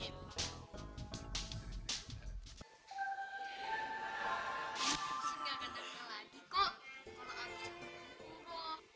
mesti gak gantengnya lagi kok kalo abie cuman buruh